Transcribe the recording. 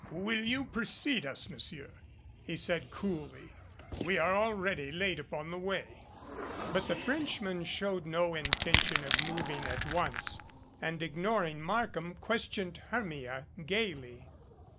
"Will you precede us, Monsieur," he said coolly, "we are already late upon the way." But the Frenchman showed no intention of moving at once and, ignoring Markham, questioned Hermia gaily.